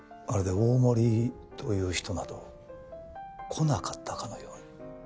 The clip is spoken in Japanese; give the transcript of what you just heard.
まるで大森という人など来なかったかのように。